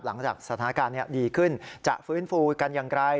หลังจากสถานการณ์ดีขึ้นจะฟื้นฟูกันอย่างไร